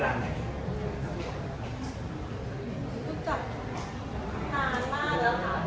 รู้จักนานมากแล้วค่ะ